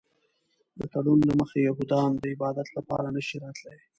د تړون له مخې یهودان د عبادت لپاره نه شي راتلی.